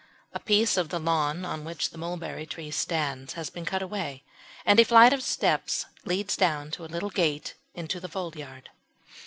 A piece of the lawn on which the mulberry tree stands has been cut away, and a flight of steps leads down to a little gate into the foldyard.